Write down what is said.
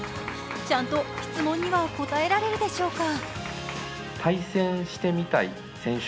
ちゃんと質問には答えられるでしょうか。